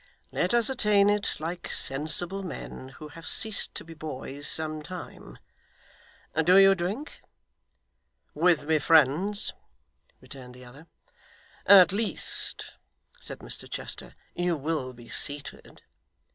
Let us attain it like sensible men, who have ceased to be boys some time. Do you drink?' 'With my friends,' returned the other. 'At least,' said Mr Chester, 'you will be seated?